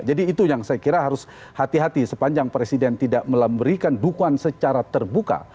jadi itu yang saya kira harus hati hati sepanjang presiden tidak memberikan dukungan secara terbuka